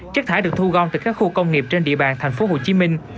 chất thải được thu gom từ các khu công nghiệp trên địa bàn thành phố hồ chí minh